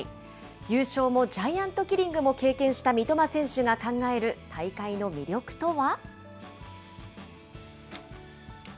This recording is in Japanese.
優勝もジャイアントキリングも経験した三笘選手が考える大会の魅力とは。